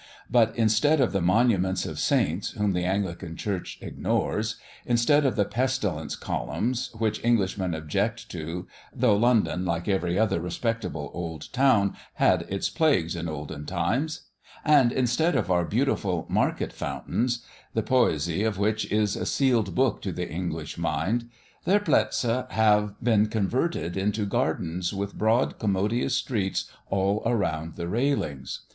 But, instead of the monuments of saints, whom the Anglican Church ignores; instead of the pestilence columns, which Englishmen object to (though London, like every other respectable old town, had its plagues in olden times); and instead of our beautiful market fountains, the poesy of which is a sealed book to the English mind, their "Plätze" have been converted into Gardens with broad commodious streets all round the railings.